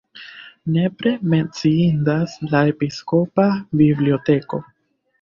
Nepre menciindas la episkopa biblioteko.